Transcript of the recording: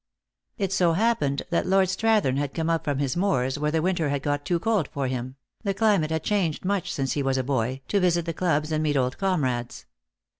It so happened that Lord Strathern had come np from his moors, where the winter had got too cold for him (the climate had changed much since he was a boy), to visit the clubs and meet old comrades.